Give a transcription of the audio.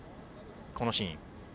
このシーン。